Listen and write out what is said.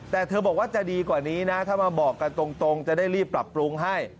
แต่เธอบอกว่าจะดีกว่านี้นะถ้ามาบอกกันตรงจะได้รีบปรับปรุงให้